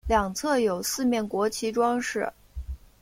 两侧有四面国旗装饰。